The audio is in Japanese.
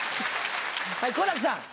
はい好楽さん。